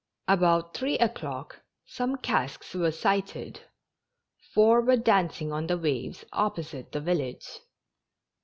About three o'clock some casks were sighted — four were dancing on the waves opposite the village.